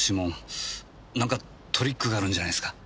なんかトリックがあるんじゃないですか？